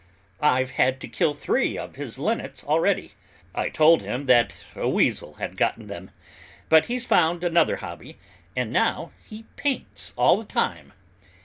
I've had to kill three of his linnets already. I told him that a weasel had gotten them, but he's found another hobby, now he paints all the time.